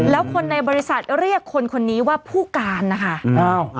แล้วคนในบริษัทเรียกคนคนนี้ว่าผู้การนะคะ